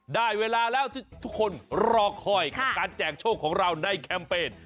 ได้เวลาแล้วที่ทุกคนรอคอยกับการแจกโชคของเราในแคมเปญ